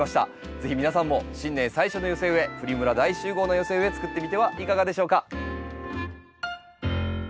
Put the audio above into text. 是非皆さんも新年最初の寄せ植えプリムラ大集合の寄せ植えつくってみてはいかがでしょうか？